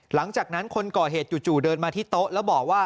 หลังจากนั้นคนก่อเหตุจู่เดินมาที่โต๊ะแล้วบอกว่า